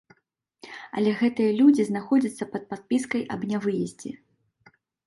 Але гэтыя людзі знаходзяцца пад падпіскай аб нявыездзе.